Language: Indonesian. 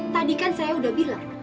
tadi kan saya udah bilang